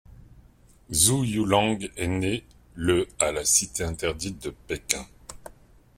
Zhu Youlang est né le à la Cité interdite de Pékin.